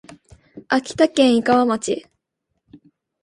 秋田県井川町